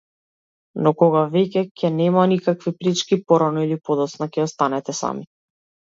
Но кога веќе ќе нема никакви пречки, порано или подоцна ќе останете сами!